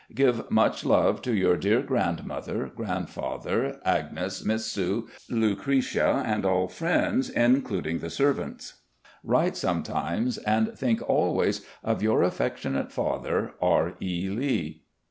Give much love to your dear grandmother, grandfather, Agnes, Miss Sue, Lucretia, and all friends, including the servants. Write sometimes, and think always of your Affectionate father, R. E. Lee."